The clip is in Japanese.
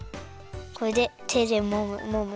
これでてでもむもむ？